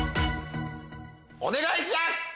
お願いしやす！